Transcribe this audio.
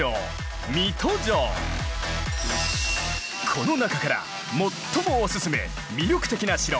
この中から最もおすすめ魅力的な城